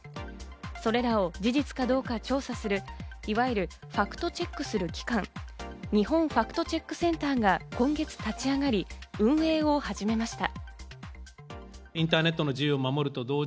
それらを事実かどうか調査するいわゆるファクトチェックする機関、日本ファクトチェックセンターが今月立ち上がり、運営を始めました。